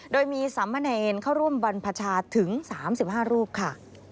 โดยมีสามเณรเข้าร่วมบรรพชาถึง๓๕รูปค่ะ